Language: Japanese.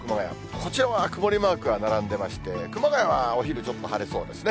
こちらは曇りマークが並んでまして、熊谷はお昼ちょっと晴れそうですね。